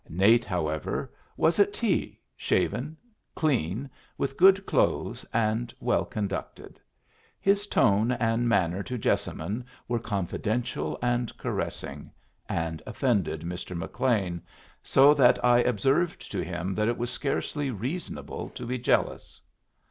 Nate, however, was at tea, shaven clean, with good clothes, and well conducted. His tone and manner to Jessamine were confidential and caressing, and offended Mr. McLean, so that I observed to him that it was scarcely reasonable to be jealous.